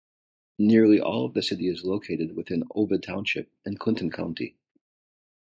Nearly all of the city is located within Ovid Township in Clinton County.